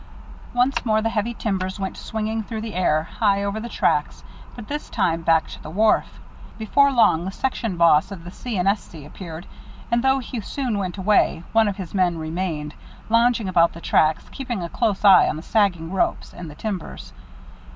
Once more the heavy timbers went swinging through the air, high over the tracks, but this time back to the wharf. Before long the section boss of the C. & S. C. appeared, and though he soon went away, one of his men remained, lounging about the tracks, keeping a close eye on the sagging ropes and the timbers.